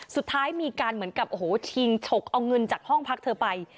สุดท้ายมีการเหมือนกับโอ้โหชิงฉกเอาเงินจากห้องพักเธอไป